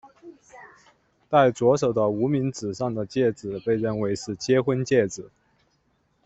戴左手的无名指上的戒指被认为是结婚戒指。